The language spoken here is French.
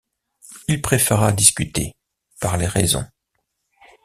Il préféra discuter, parler raison.